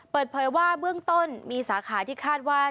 เปิดเผยว่าเบื้องต้นมีสาขาที่คาดว่า